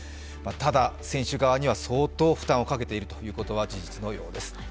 ただ、選手側には相当、負担をかけているということは事実のようです。